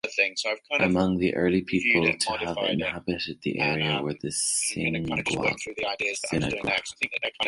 Among the early people to have inhabited the area were the Sinagua.